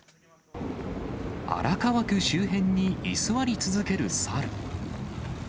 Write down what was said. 荒川区周辺に居座り続ける猿。